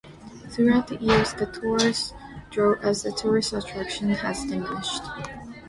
Throughout the years, the tower's draw as a tourist attraction has diminished.